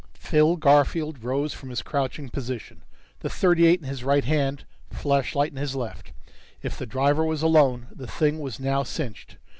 Phil Garfield rose from his crouching position, the .38 in his right hand, flashlight in his left. If the driver was alone, the thing was now cinched!